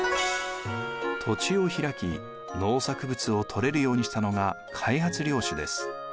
土地をひらき農作物をとれるようにしたのが開発領主です。